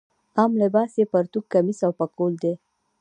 عام لباس یې پرتوګ کمیس او پکول دی.